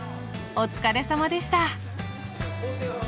お疲れさまでした。